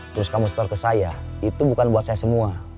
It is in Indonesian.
terus kamu store ke saya itu bukan buat saya semua